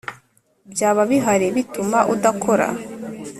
byaba bihari bituma udakora